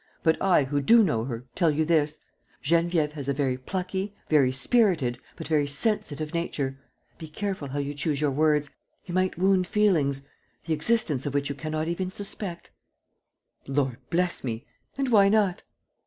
But I, who do know her, tell you this: Geneviève has a very plucky, very spirited, but very sensitive nature. Be careful how you choose your words. ... You might wound feelings ... the existence of which you cannot even suspect. ..." "Lord bless me! And why not?"